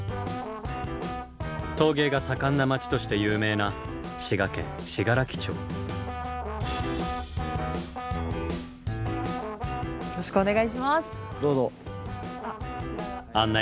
陶芸が盛んな町として有名なよろしくお願いします。